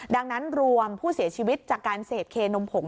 ดังนั้นรวมผู้เสียชีวิตจากการเสพเคนมผง